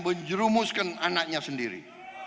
menjerumuskan anaknya sendiri